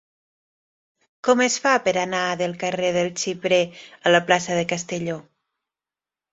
Com es fa per anar del carrer del Xiprer a la plaça de Castelló?